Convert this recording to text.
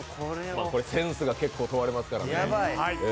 センスが結構問われますからね。